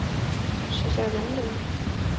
史夏隆人。